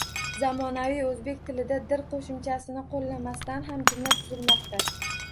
Zamonaviy o‘zbek tilida “-dir” qo‘shimchasini qo‘llamasdan ham jumla tuzilmoqda.